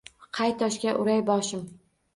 Qay toshga uray boshim?!